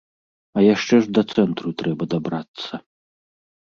А яшчэ ж да цэнтру трэба дабрацца.